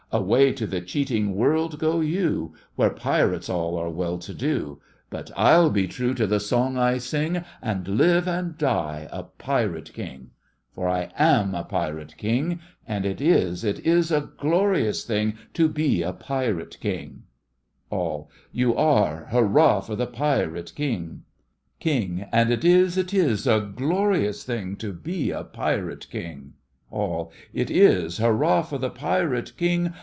Away to the cheating world go you, Where pirates all are well to do; But I'll be true to the song I sing, And live and die a Pirate King. For I am a Pirate King! And it is, it is a glorious thing To be a Pirate King! For I am a Pirate King! ALL: You are! Hurrah for the Pirate King! KING: And it is, it is a glorious thing To be a Pirate King. ALL: It is! Hurrah for the Pirate King!